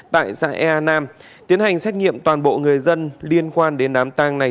tại xã ea nam tiến hành xét nghiệm toàn bộ người dân liên quan đến đám tang này